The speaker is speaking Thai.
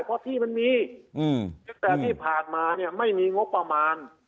เพราะที่มันมีตั้งแต่ที่ผ่านมาเนี่ยไม่มีงบประมาณ